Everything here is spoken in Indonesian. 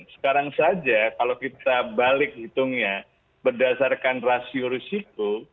sekarang saja kalau kita balik hitungnya berdasarkan rasio risiko